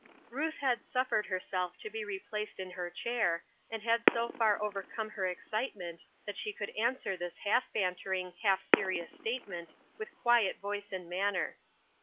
Ruth had suffered herself to be replaced in her chair, and had so far overcome her excitement that she could answer this half bantering, half serious statement with quiet voice and manner.